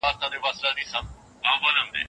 ولي هغه څوک چي هڅه نه کوي د بریا تمه نه سي کولای؟